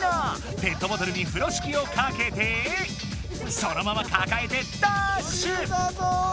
ペットボトルにふろしきをかけてそのままかかえてダーッシュ！